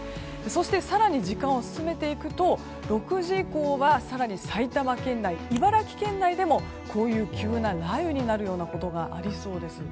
そして更に時間を進めていくと６時以降は更に埼玉県内茨城県内でも急な雷雨になるようなことがありそうです。